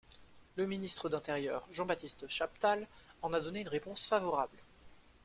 Le Ministre d'Intérieur, Jean-Baptiste Chaptal en a donné une réponse favorable.